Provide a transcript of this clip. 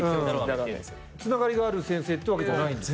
つながりがある先生ってわけじゃないんだ？